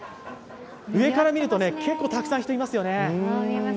上から見ると結構たくさん人がいますよね。